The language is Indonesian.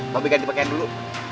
mba be ganti pakaian dulu